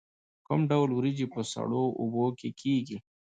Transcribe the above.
کوم ډول وریجې په سړو اوبو کې کیږي؟